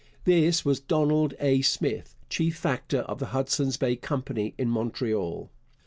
This was Donald A. Smith, chief factor of the Hudson's Bay Company in Montreal.